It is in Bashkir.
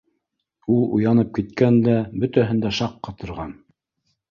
Ул уянып киткән дә, бөтәһен дә шаҡ ҡатырған.